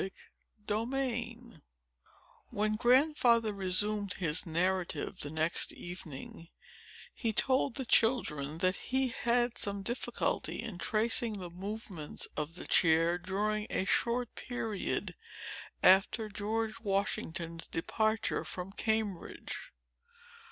Chapter X When Grandfather resumed his narrative, the next evening, he told the children that he had some difficulty in tracing the movements of the chair, during a short period after General Washington's departure from Cambridge.